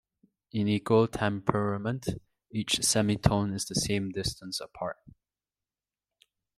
In equal temperament, each semitone is the same distance apart.